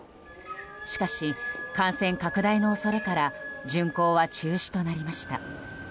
しかし、感染拡大の恐れから巡行は中止となりました。